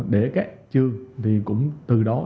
để các trường thì cũng từ đó